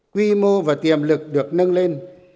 quy mô và tiềm lực được nâng lên